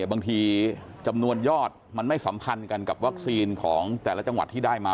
บางทีจำนวนยอดมันไม่สัมพันธ์กันกับวัคซีนของแต่ละจังหวัดที่ได้มา